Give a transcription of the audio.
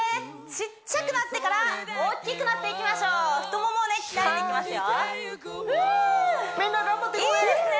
小っちゃくなってから大っきくなっていきましょう太モモをね鍛えていきますよはいフ！いいですね